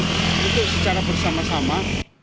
terima kasih secara bersama sama